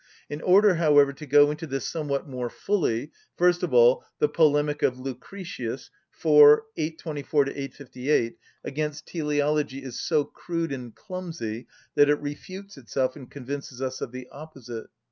In order, however, to go into this somewhat more fully: first of all, the polemic of Lucretius (iv. 824‐858) against teleology is so crude and clumsy that it refutes itself and convinces us of the opposite.